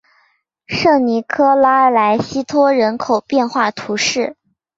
圣尼科拉莱西托人口变化图示